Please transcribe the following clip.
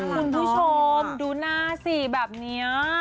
คุณผู้ชมดูหน้าสิแบบนี้